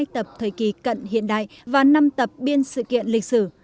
một mươi hai tập thời kỳ cận hiện đại và năm tập biên sự kiện lịch sử